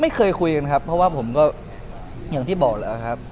ไม่เคยคุยกันครับเพราะว่าผมก็อย่างที่บอกแล้วครับ